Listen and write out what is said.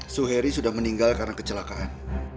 suheri sudah meninggal karena kecelakaan